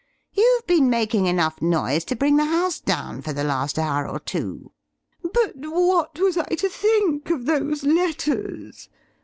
You've been making enough noise to bring the house down for the last hour or two." "But what was I to think of those letters?"